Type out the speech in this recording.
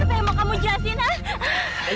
apa yang mau kamu jelasin ah